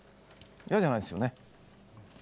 嫌じゃないですよね。